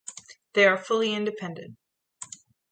They are fully independent.